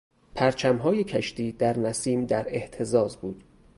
پرچمهای کشتی در نسیم در اهتزاز بود.